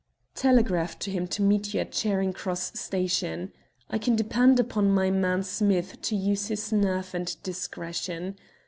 "Telegraph to him to meet you at Charing Cross Station. I can depend upon my man Smith to use his nerve and discretion.